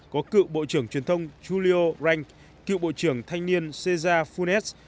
có cựu bộ trưởng truyền thông julio rank cựu bộ trưởng thanh niên cesar funes